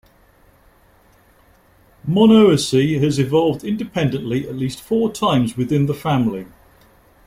Monoecy has evolved independently at least four times within the family.